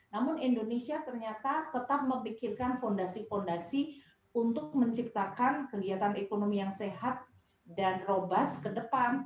namun indonesia ternyata tetap memikirkan fondasi fondasi untuk menciptakan kegiatan ekonomi yang sehat dan robas ke depan